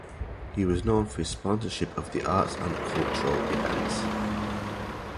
He was known for his sponsorship of the arts and cultural events.